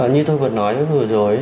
như tôi vừa nói vừa rồi